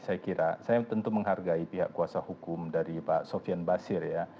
saya kira saya tentu menghargai pihak kuasa hukum dari pak sofian basir ya